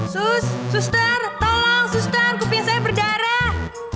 sus suster tolong suster kupin saya berdarah